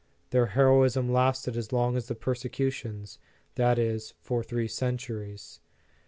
Their hero ism lasted as long as the persecutions, that is, for three centuries.